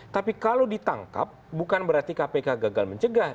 tapi kalau ditangkap bukan berarti kpk gagal mencegah